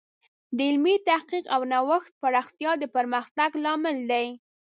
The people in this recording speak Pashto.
د علمي تحقیق او نوښت پراختیا د پرمختګ لامل دی.